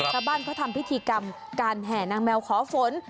ชาวบ้านเขาทำพิธีกรรมการแห่นางแมวขอฝน